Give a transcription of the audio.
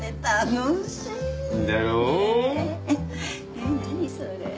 えっ何それ。